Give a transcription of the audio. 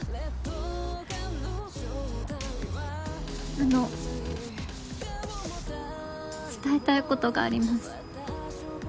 あの伝えたいことがあります。